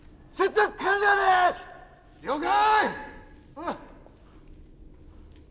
了解！